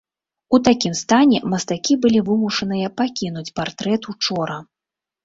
У такім стане мастакі былі вымушаныя пакінуць партрэт учора.